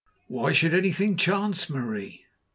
"Why should anything chance, Marie?